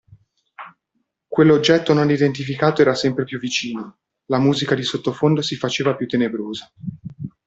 Quell'oggetto non identificato era sempre più vicino, la musica di sottofondo si faceva più tenebrosa.